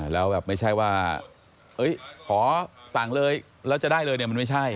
แล้วแบบไม่ใช่ว่าขอสั่งเลยแล้วจะได้เลยเนี่ยมันไม่ใช่